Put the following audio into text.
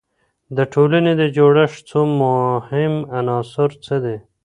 د ټولنې د جوړښت څو مهم عناصر څه دي؟